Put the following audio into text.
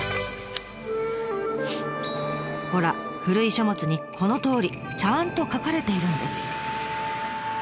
ほら古い書物にこのとおりちゃんと書かれているんです。